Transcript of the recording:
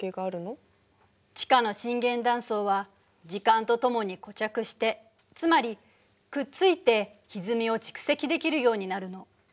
地下の震源断層は時間とともに固着してつまりくっついてひずみを蓄積できるようになるの。